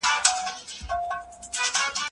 عالم وويل چي اخلاص د ټولو نېکو کارونو بنسټ دی.